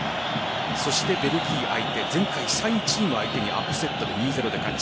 ベルギー相手前回３位チーム相手にアップセットで２−０で勝ち